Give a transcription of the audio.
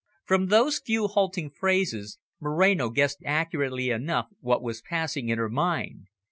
From those few halting phrases Moreno guessed accurately enough what was passing in her mind.